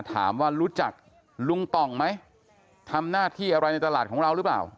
ถามว่ารู้จักลุงป่องไหมทำหน้าที่อะไรในตลาดของเราหรือเปล่า